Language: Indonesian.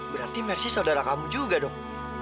berarti mersi saudara kamu juga dong